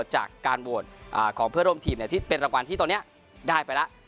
จากการโหวตของเพื่อร่วมทีมที่เป็นรางวัลที่ตอนนี้ได้ไปแล้ว